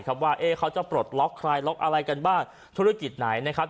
ว่าเขาจะปลดล็อกคลายล็อกอะไรกันบ้างธุรกิจไหนนะครับ